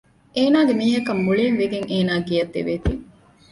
އޭނާގެ މީހަކަށް މުޅީންވެގެން އޭނާގެ ގެއަށް ދެވޭތީ